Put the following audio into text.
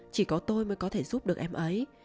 chỉ có tôi mới có thể giúp được em ấy